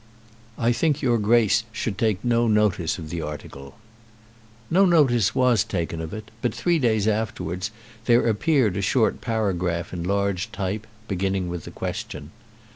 "I think your Grace should take no notice of the article." No notice was taken of it, but three days afterwards there appeared a short paragraph in large type, beginning with a question.